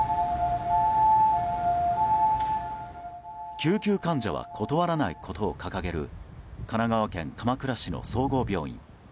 救急患者は断らないことを掲げる神奈川県鎌倉市の総合病院。